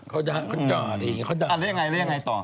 เขาเล่นยังไงเล่นยังไงต่อ